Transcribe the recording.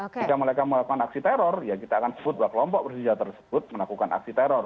ketika mereka melakukan aksi teror ya kita akan sebut bahwa kelompok bersenjata tersebut melakukan aksi teror